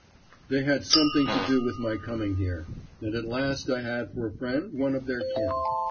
They had something to do with my coming here, and at last I had for a friend one of their kin.